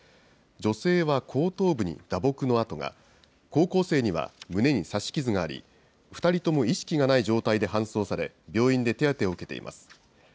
女性は後頭部に打撲の跡が、高校生には胸に刺し傷があり、２人とも意識がない状態で搬送され、病院で手当てを受けています。